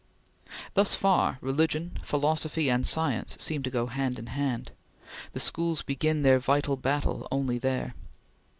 Thus far, religion, philosophy, and science seem to go hand in hand. The schools begin their vital battle only there.